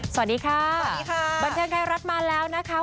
สวัสดีค่ะสวัสดีค่ะบันเทิงไทยรัฐมาแล้วนะคะ